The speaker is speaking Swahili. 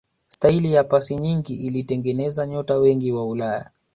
staili ya pasi nyingi ilitengeneza nyota wengi wa ulaya